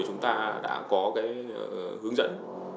chúng ta đã có cái hướng dẫn